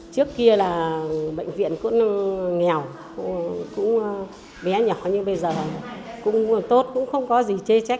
trước kia là bệnh viện cũng nghèo cũng bé nhỏ nhưng bây giờ cũng tốt cũng không có gì chê trách